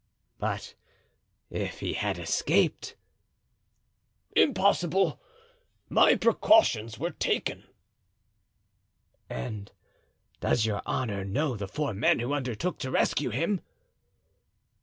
"But if he had escaped?" "Impossible; my precautions were taken." "And does your honor know the four men who undertook to rescue him?"